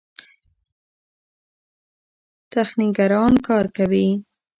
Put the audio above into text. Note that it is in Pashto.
تخنیکران کار کوي.